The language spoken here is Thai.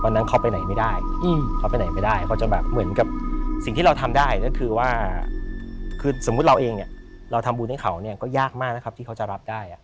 น่าจะมีความรรดี